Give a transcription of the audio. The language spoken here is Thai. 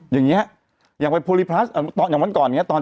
อย่างนี้อย่างวันก่อน